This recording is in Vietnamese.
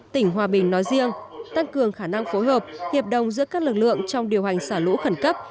tỉnh hòa bình nói riêng tăng cường khả năng phối hợp hiệp đồng giữa các lực lượng trong điều hành xả lũ khẩn cấp